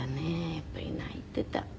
やっぱり泣いていた。